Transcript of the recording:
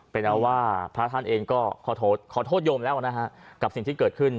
เป็นเอาว่าพระท่านก็ขอโทษโยมกับสิ่งที่เกิดขึ้น